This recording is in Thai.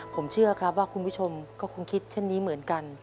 ผมเชื่อครับว่าคุณผู้ชมก็คงคิดเช่นนี้เหมือนกัน